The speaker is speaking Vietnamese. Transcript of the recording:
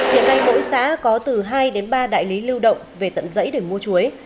hiện nay mỗi xã có từ hai đến ba đại lý lưu động về tận dãy để mua chuối